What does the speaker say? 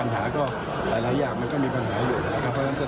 แต่หลายอย่างก็มีปัญหาอยู่